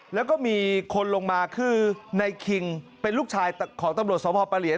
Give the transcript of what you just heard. แล้วก็มีคนลงมาคือในคิงเป็นลูกชายของตำรวจสภปะเหลียน